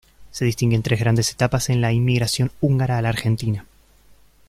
Se distinguen tres grandes etapas en la inmigración húngara a la Argentina.